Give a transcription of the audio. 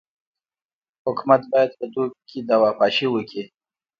حکومت باید په دوبي کي دوا پاشي وکي.